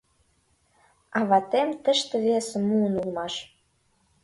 А ватем тыште весым муын улмаш.